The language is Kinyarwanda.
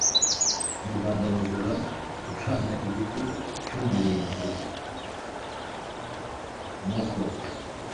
Mu Rwanda bazira kucana igiti cy’umurinzi (umuko),